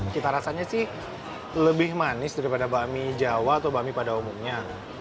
cita rasanya sih lebih manis daripada bakmi jawa atau bakmi pada umumnya